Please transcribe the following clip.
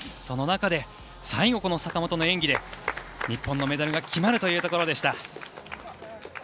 その中で最後、この坂本の演技で日本のメダルが決まるというところでした。